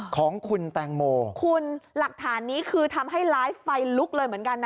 ของคุณแตงโมคุณหลักฐานนี้คือทำให้ไลฟ์ไฟลุกเลยเหมือนกันนะ